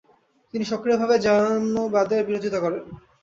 তিনি সক্রিয়ভাবে জায়নবাদের বিরোধিতা করেন।